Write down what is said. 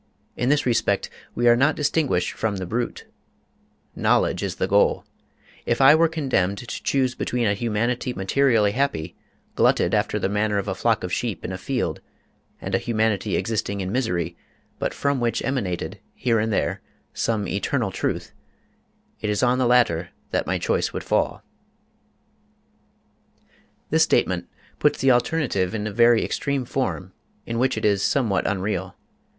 In this respect, we are not distinguished from the brute. Knowledge is the goal. If I were condemned to choose between a humanity materially happy, glutted after the manner of a flock of sheep in a field, and a humanity existing in misery, but from which emanated, here and there, some eternal truth, it is on the latter that my choice would fall.'' ``L'Anarchie et le Collectivisme,'' p. 114. This statement puts the alternative in a very extreme form in which it is somewhat unreal.